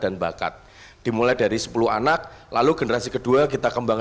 dan bakat dimulai dari sepuluh anak lalu generasi kedua kita